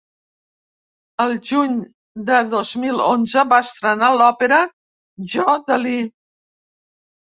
El juny de dos mil onze va estrenar l’òpera ‘Jo, Dalí’.